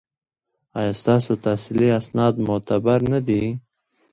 ایا ستاسو تحصیلي اسناد معتبر نه دي؟